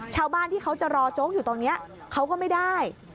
ชาวบ้านที่เขาจะรอโจ๊กอยู่ตรงนี้เขาก็ไม่ได้